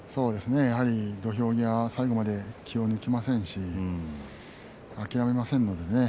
土俵際最後まで気を抜きませんし諦めませんのでね。